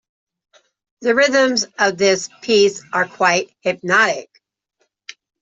The rhythms of this piece are quite hypnotic